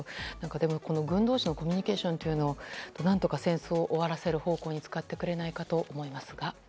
でも、軍同士のコミュニケーションというのを何とか戦争を終わらせる方向に使ってくれないかと思いますが。